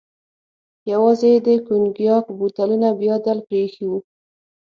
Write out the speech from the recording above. یوازې یې د کونیګاک بوتلونه بیا ځل پرې ایښي و.